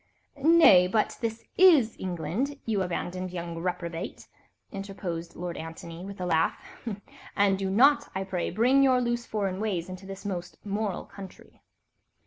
"Nay, but this is England, you abandoned young reprobate," interposed Lord Antony with a laugh, "and do not, I pray, bring your loose foreign ways into this most moral country."